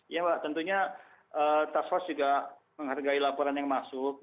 ya pak tentunya task force juga menghargai laporan yang masuk